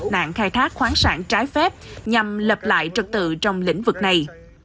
nạn khai thác khoáng sản trái phép nhằm lập lại trật tự trong lĩnh vực này